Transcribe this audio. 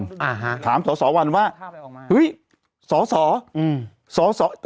อ่าฮะถามสอสอวันว่าทาไปออกมาอุ้ยสอสออืมสอสอเอ๊ะ